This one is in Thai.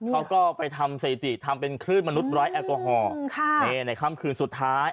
เขาก็ไปทำสถิติทำเป็นคลื่นมนุษย์ไร้แอลกอฮอล์ในค่ำคืนสุดท้าย